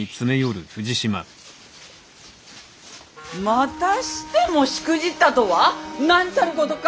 またしてもしくじったとは何たることか！